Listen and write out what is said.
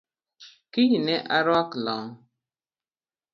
Kiny ne aruak long’